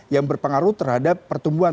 yang berpengaruh terhadap pertumbuhan